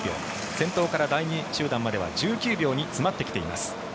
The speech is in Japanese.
先頭から第２集団までは１０秒に詰まってきています。